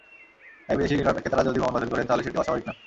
তাই বিদেশি ক্রেতারা যদি ভ্রমণ বাতিল করেন, তাহলে সেটি অস্বাভাবিক না।